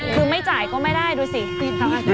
คือไม่จ่ายก็ไม่ได้ดูสิ